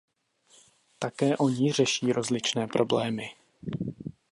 Také oni řeší rozličné problémy.